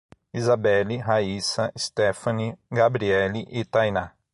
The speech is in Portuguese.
Isabeli, Rayssa, Stefany, Gabrielle e Thainá